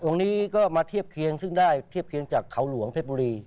นี้ก็มาเทียบเคียงซึ่งได้เทียบเคียงจากเขาหลวงเพชรบุรี